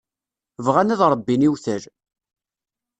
Bɣan ad ṛebbin iwtal.